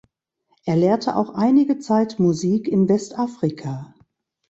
Er lehrte auch einige Zeit Musik in Westafrika.